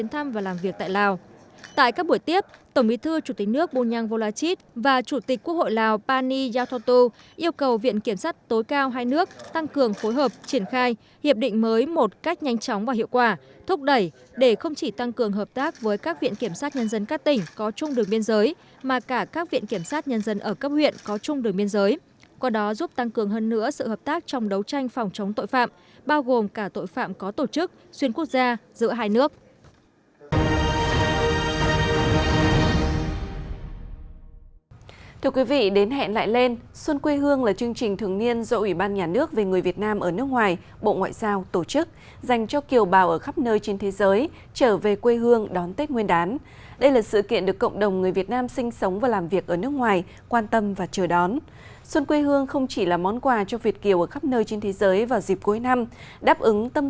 tổng bí thư chủ tịch nước lào bunyang volachit và chủ tịch quốc hội lào pani yathotu đã tiếp thân mật đoàn đại biểu viện kiểm sát nhân dân tối cao việt nam do viện trưởng lào bunyang volachit và chủ tịch quốc hội lào pani yathotu đã tiếp thân mật đoàn đại biểu viện kiểm sát nhân dân tối cao việt nam